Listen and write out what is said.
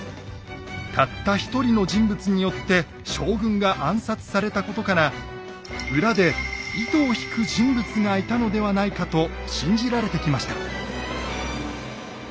たった一人の人物によって将軍が暗殺されたことから裏で糸を引く人物がいたのではないかと信じられてきました。